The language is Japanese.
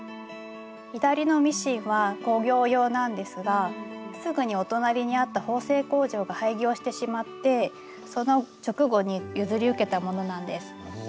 左のミシンは工業用なんですがすぐにお隣にあった縫製工場が廃業してしまってその直後に譲り受けたものなんです。